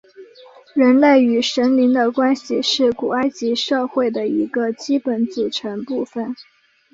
人类与神灵的关系是古埃及社会的一个基本组成部分。